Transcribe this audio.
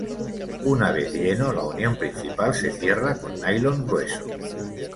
Una vez lleno, la unión principal se cierra con nylon grueso.